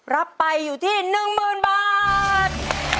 รับไปอยู่ที่๑๐๐๐บาท